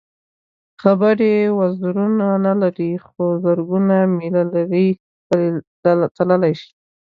خبرې وزرونه نه لري خو زرګونه مېله لرې تللی شي.